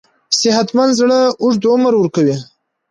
صحتمند زړه اوږد عمر ورکوي.